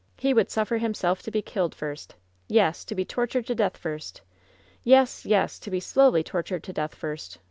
He would suffer him self to be killed first! Yes — to be tortured to death first! Yes — yes — to be slowly tortured to death first!